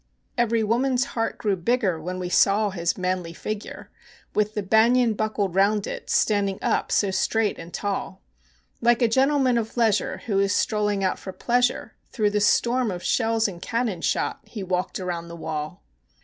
Every woman's heart grew bigger when we saw his manly figure, With the banyan buckled round it, standing up so straight and tall; Like a gentleman of leisure who is strolling out for pleasure, Through the storm of shells and cannon shot he walked around the wall.